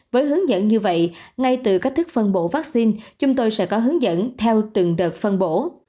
với hướng dẫn như vậy ngay từ cách thức phân bổ vaccine chúng tôi sẽ có hướng dẫn theo từng đợt phân bổ